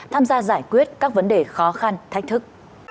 tham gia giải quyết các vấn đề khó khăn thách thức